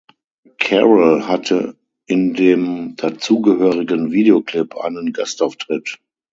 Carrell hatte in dem dazugehörigen Videoclip einen Gastauftritt.